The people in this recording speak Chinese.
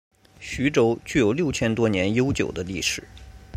徐州具有六千多年悠久的历史。